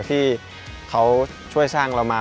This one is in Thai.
ที่เขาช่วยสร้างเรามา